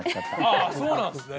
ああそうなんですね。